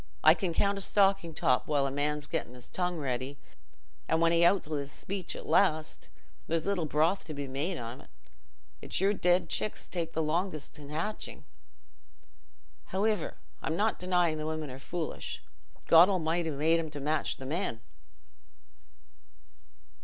I can count a stocking top while a man's getting's tongue ready an' when he outs wi' his speech at last, there's little broth to be made on't. It's your dead chicks take the longest hatchin'. Howiver, I'm not denyin' the women are foolish: God Almighty made 'em to match the men."